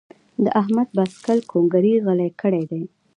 د احمد باسکل کونګري غلي کړي دي.